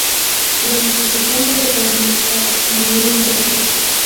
La institución debe ser administrada como una empresa normal.